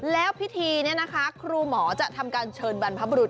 แล้วพิธีนี้นะคะครูหมอจะทำการเชิญบรรพบรุษ